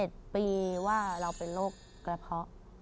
วินิจฉัยผิด๗ปีว่าเราเป็นโรคกระเพาะ